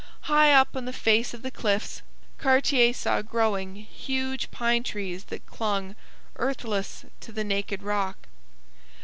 High up on the face of the cliffs, Cartier saw growing huge pine trees that clung, earthless, to the naked rock.